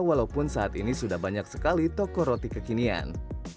walaupun saat ini sudah banyak sekali toko roti kekinian